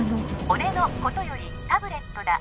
☎俺のことよりタブレットだ